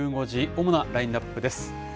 主なラインアップです。